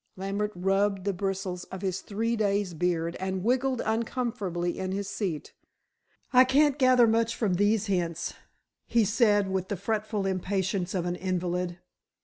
Lambert rubbed the bristles of his three days' beard, and wriggled uncomfortably in his seat. "I can't gather much from these hints," he said with the fretful impatience of an invalid.